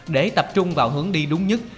để tập trung vào hướng đi đúng nhất